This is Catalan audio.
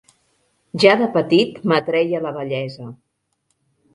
Ja de petit m'atreia la bellesa.